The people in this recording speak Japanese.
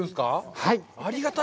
はい。